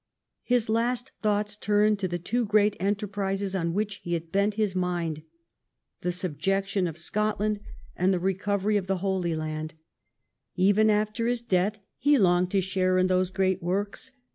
His last thoughts turned to the two great enterprises on Avhich he had bent his mind — the subjection of Scotland and the recovery of XIII THE END OF THE REIGN 229 the Holy Land. Even after his death he longed to share in those great works.